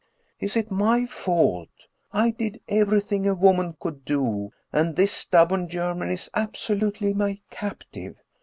Is it my fault ? I did everything a woman could do, and this stubborn German is absolutely my captive.